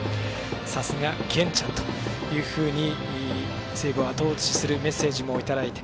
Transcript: さすが源ちゃん！というふうに西武をあと押しするメッセージもいただいて。